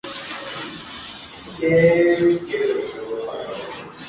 Calleja recibió una medalla de oro de honor, durante la dicha exposición.